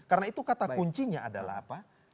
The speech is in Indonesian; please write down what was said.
karena itu kata kuncinya adalah apa